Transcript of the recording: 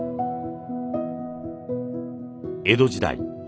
江戸時代